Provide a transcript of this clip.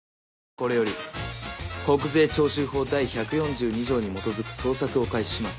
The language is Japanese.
これより国税徴収法第１４２条に基づく捜索を開始します。